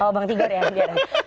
oh bang tigor ya